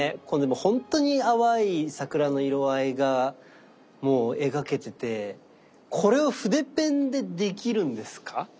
これでもほんとに淡い桜の色合いがもう描けててこれを筆ペンでできるんですか？